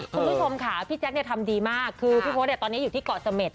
คุณผู้ชมค่ะพี่แจ๊คทำดีมากคือพี่โพธตอนนี้อยู่ที่เกาะเสม็ด